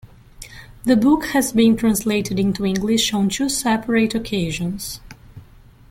The book has been translated into English on two separate occasions.